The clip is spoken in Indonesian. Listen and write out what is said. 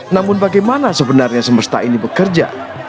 namun bagaimana sebenarnya semesta ini bekerja